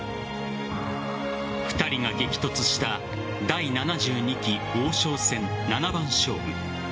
２人が激突した第７２期王将戦七番勝負。